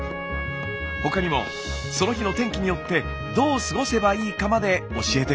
他にもその日の天気によってどう過ごせばいいかまで教えてくれます。